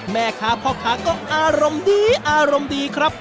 แม่ค้าพ่อค้าก็อารมณ์ดีอารมณ์ดีครับ